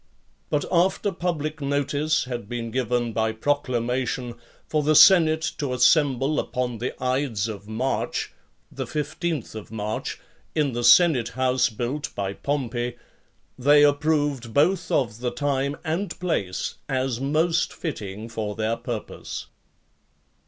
But after public notice had been given by proclamation for the senate to assemble upon the ides of March [15th March], in the senate house built by Pompey, they approved both of the time and place, as most fitting for their purpose.